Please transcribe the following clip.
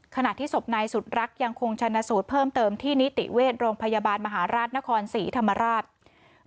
ขณะที่ศพนายสุดรักยังคงชนะสูตรเพิ่มเติมที่นิติเวชโรงพยาบาลมหาราชนครศรีธรรมราช